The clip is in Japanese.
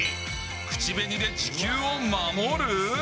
口紅で地球を守る？